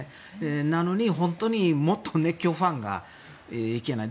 なのに、本当にもっと熱狂的なファンが行けない。